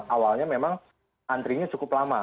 awalnya memang antrinya cukup lama